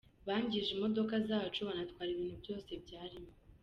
Bangije imodoka zacu banatwara ibintu byose byarimo.”